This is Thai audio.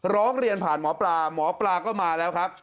ร้องเรียนผ่านหมอปลาหมอปลาก็มาแล้วครับ